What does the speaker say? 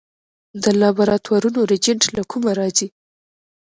د لابراتوارونو ریجنټ له کومه راځي؟